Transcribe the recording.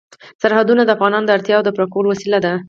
سرحدونه د افغانانو د اړتیاوو د پوره کولو وسیله ده.